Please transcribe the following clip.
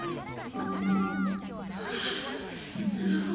はあすごい。